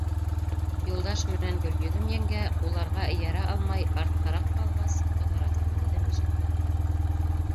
Юлдаш менән Гөлйөҙөм еңгә, уларға эйәрә алмай, арттараҡ ҡалғас, Ҡыҙырастың һүҙен ишетмәнеләр.